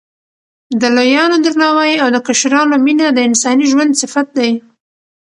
د لویانو درناوی او د کشرانو مینه د انساني ژوند صفت دی.